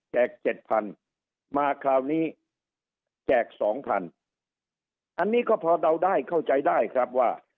๗๐๐มาคราวนี้แจกสองพันอันนี้ก็พอเดาได้เข้าใจได้ครับว่า